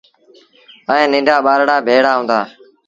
ائيٚݩ ننڍآ ٻآرڙآ ڀيڙآ هُݩدآ ۔